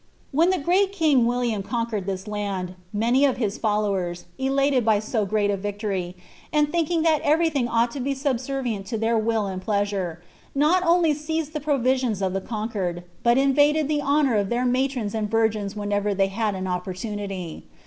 ^ When the mat king William conquered this land, many of his foDowers, elated by so great a victory, and thinking that everything ought to be subservient to their will and pleasure, not only seized the provisions of the conquered, but invaded the honour of their matrons and virgins whenever they had an opportunity.